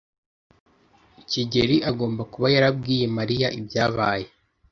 kigeli agomba kuba yarabwiye Mariya ibyabaye.